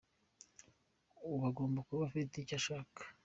Uba ugomba kuba ufite icyo ushaka.